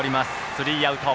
スリーアウト。